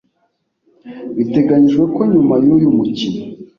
Biteganyijwe ko nyuma y’uyu mukino